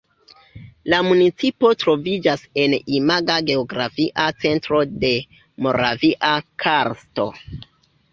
La municipo troviĝas en imaga geografia centro de Moravia karsto.